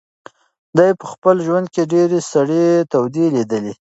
دی په خپل ژوند کې ډېرې سړې تودې لیدلي.